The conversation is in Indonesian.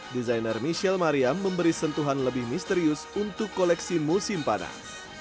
desainer michelle mariam memberi sentuhan lebih misterius untuk koleksi musim panas